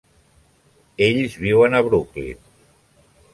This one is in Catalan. Ells viuen a Brooklyn.